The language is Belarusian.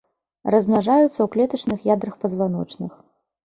Размнажаюцца ў клетачных ядрах пазваночных.